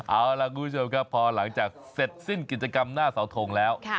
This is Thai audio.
เอาล่ะคุณผู้ชมครับพอหลังจากเสร็จสิ้นกิจกรรมหน้าเสาทงแล้ว